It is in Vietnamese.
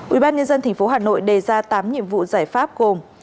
ubnd tp hà nội đề ra tám nhiệm vụ giải pháp gồm